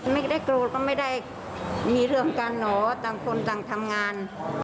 ไม่ได้โกรธก็ไม่ได้มีเรื่องกันเหรอต่างคนต่างทำงาน